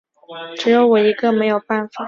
只有我一个没有办法